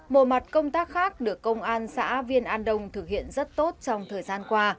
một mặt công tác khác được công an xã viên an đông thực hiện rất tốt trong thời gian qua